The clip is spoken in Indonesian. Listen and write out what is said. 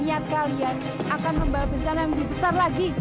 niat kalian akan membawa bencana yang lebih besar lagi